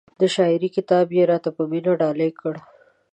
د شاعرۍ کتاب یې را ته په مینه ډالۍ کړ.